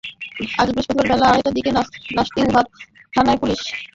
আজ বৃহস্পতিবার বেলা আড়াইটার দিকে লাশটি উদ্ধার করে তেজগাঁও থানার পুলিশ।